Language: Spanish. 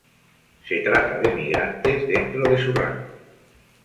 Se trata de migrantes dentro de su rango.